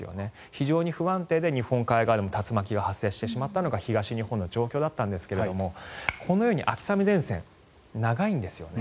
非常に不安定で日本海側でも竜巻が発生してしまったのが東日本の状況だったんですがこのように秋雨前線長いんですよね。